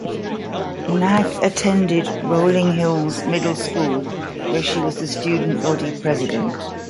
Nag attended Rolling Hills Middle School where she was the student body president.